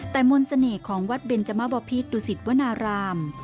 แต่มนต์เสน่ห์ของวัดเบนจมบพิษดุสิตวนาราม